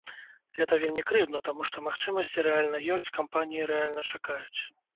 Гэта вельмі крыўдна, таму што магчымасці рэальна ёсць, кампаніі рэальна чакаюць.